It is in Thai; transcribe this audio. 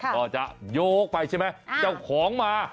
ก็จะโยกไปใช่ไหมเจ้าของมา